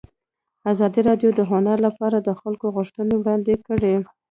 ازادي راډیو د هنر لپاره د خلکو غوښتنې وړاندې کړي.